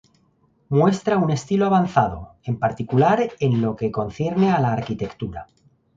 Muestra un estilo avanzado, en particular en lo que concierne a la arquitectura.